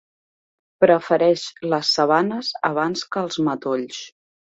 Prefereix les sabanes abans que els matolls.